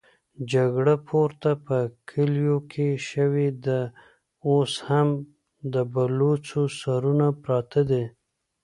جګړه پورته په کليو کې شوې ده، اوس هم د بلوڅو سرونه پراته دي.